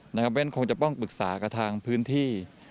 เพราะฉะนั้นคงจะต้องปรึกษากับทางพื้นที่